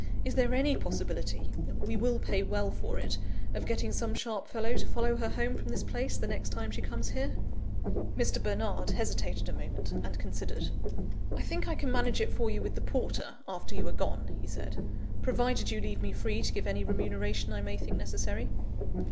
Is there any possibility (we will pay well for it) of getting some sharp fellow to follow her home from this place, the next time she comes here?" Mr. Bernard hesitated a moment, and considered. "I think I can manage it for you with the porter, after you are gone," he said, "provided you leave me free to give any remuneration I may think necessary."